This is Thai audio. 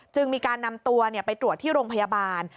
มีการนำตัวไปตรวจที่โรงพยาบาล